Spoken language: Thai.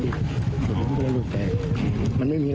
เราเชื่อมั้ยคะว่า